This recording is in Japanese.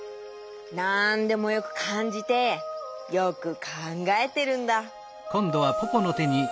なんでもよくかんじてよくかんがえてるんだ。